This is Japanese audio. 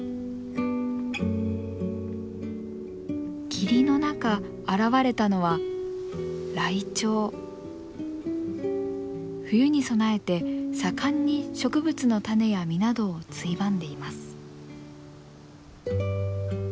霧の中現れたのは冬に備えて盛んに植物の種や実などをついばんでいます。